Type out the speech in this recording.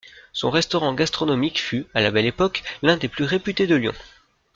Son restaurant gastronomique fut, à la Belle Époque l'un des plus réputés de Lyon.